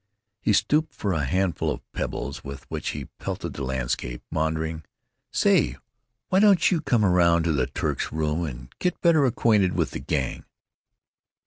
He stooped for a handful of pebbles, with which he pelted the landscape, maundering, "Say, why don't you come around to the Turk's room and get better acquainted with the Gang?"